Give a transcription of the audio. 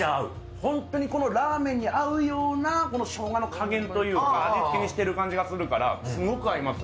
本当にこのラーメンに合うようなしょうがの加減というか味付けにしてる感じがするからすごく合います。